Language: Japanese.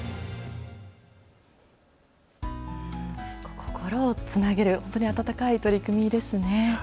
心をつなげる、本当に温かい取り組みですね。